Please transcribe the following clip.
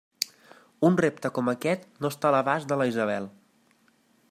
Un repte com aquest no està a l'abast de la Isabel!